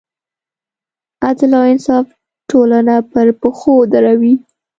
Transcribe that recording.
عدل او انصاف ټولنه پر پښو دروي.